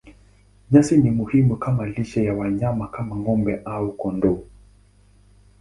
Nyasi ni muhimu kama lishe ya wanyama kama ng'ombe au kondoo.